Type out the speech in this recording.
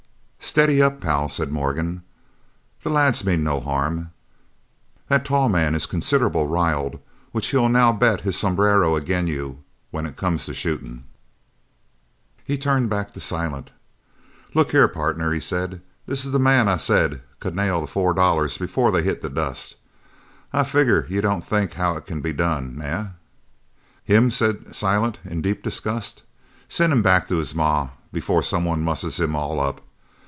"Steady up, pal," said Morgan, "the lads mean no harm. That tall man is considerable riled; which he'll now bet his sombrero agin you when it comes to shootin'." He turned back to Silent. "Look here, partner," he said, "this is the man I said could nail the four dollars before they hit the dust. I figger you don't think how it can be done, eh?" "Him?" said Silent in deep disgust. "Send him back to his ma before somebody musses him all up!